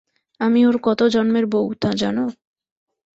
আমি ওর কত জন্মের বৌ তা জানো?